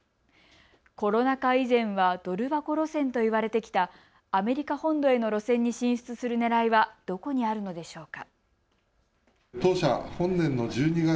コロナ禍以前はドル箱路線と言われてきたアメリカ本土への路線に進出するねらいはどこにあるのでしょうか。